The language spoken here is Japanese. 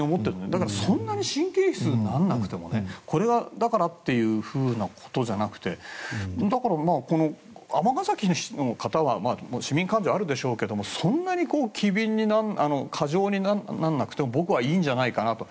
だからそんなに神経質にならなくてもこれは、だからっていうことじゃなくて尼崎市の方は市民感情はあるでしょうけどそんなに過剰にならなくても僕はいいんじゃないかなと。